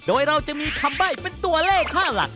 โดยเราจะมีคำใบ้เป็นตัวเลขค่าหลัก